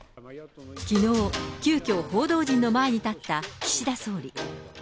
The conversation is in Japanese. きのう、急きょ、報道陣の前に立った岸田総理。